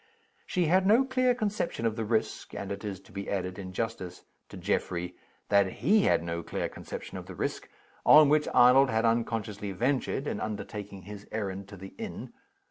She had no clear conception of the risk (and it is to be added, in justice to Geoffrey, that he had no clear conception of the risk) on which Arnold had unconsciously ventured, in undertaking his errand to the inn.